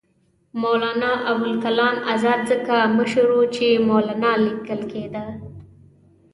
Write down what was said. مولنا ابوالکلام آزاد ځکه مشر وو چې مولنا لیکل کېدی.